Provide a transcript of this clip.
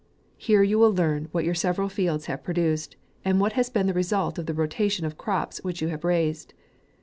Here you will learn what your several fields have produced, and what has been the result of the rotation of crops, which you have raised.